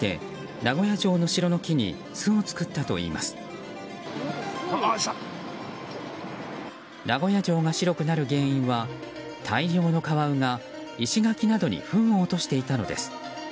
名古屋城が白くなる原因は大量のカワウが石垣などにふんを落としていたのです。